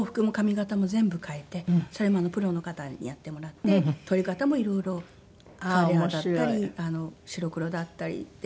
それもプロの方にやってもらって撮り方も色々カラーだったり白黒だったりって。